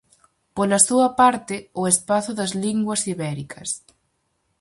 Pola súa parte, o Espazo das Linguas Ibéricas.